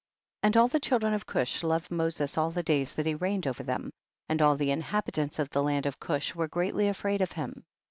2. And all the children of Cush loved Moses all the days that he reigned over them, and all the inha bitants of the land of Cush were greatly afraid of him.